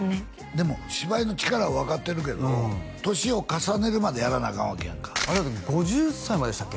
でも芝居の力は分かってるけど年を重ねるまでやらなあかんわけやんかあれだって５０歳まででしたっけ？